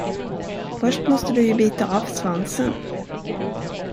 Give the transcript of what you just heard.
Först måste du ju bita av svansen!